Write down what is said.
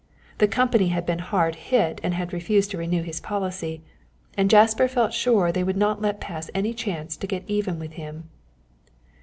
The company had been hard hit and had refused to renew his policy, and Jasper felt sure they would not let pass any chance to get even with him.